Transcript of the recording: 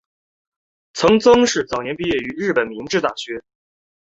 陈曾栻早年毕业于日本明治大学。